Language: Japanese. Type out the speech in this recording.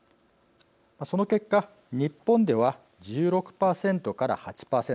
その結果日本では１６％から８％